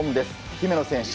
姫野選手